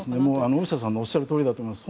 大下さんのおっしゃるとおりだと思います。